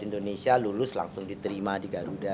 indonesia lulus langsung diterima di garuda